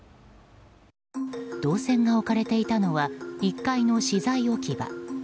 銅線が置かれていた場所は１階の資材置き場。